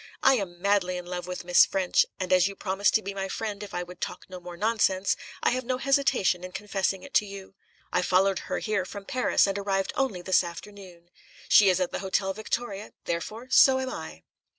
I am madly in love with Miss Ffrench, and as you promised to be my friend if I would 'talk no more nonsense,' I have no hesitation in confessing it to you. I followed her here from Paris, and arrived only this afternoon. She is at the Hotel Victoria; therefore, so am I."